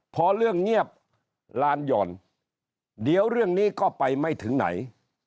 พอเรื่องเงียบลานหย่อนเดี๋ยวเรื่องนี้ก็ไปไม่ถึงไหน